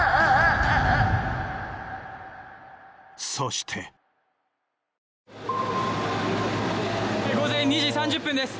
そして午前２時３０分です